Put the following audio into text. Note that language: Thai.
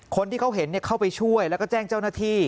คนที่เขาเห็นเข้าไปช่วยแล้วก็แจ้งเจ้าหน้าที่